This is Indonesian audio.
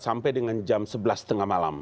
sampai dengan jam sebelas tiga puluh malam